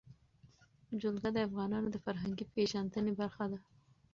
جلګه د افغانانو د فرهنګي پیژندنې برخه ده.